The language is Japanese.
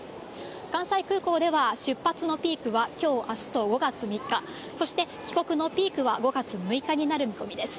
関西空港では、出発のピークはきょう、あすと、５月３日、そして帰国のピークは５月６日になる見込みです。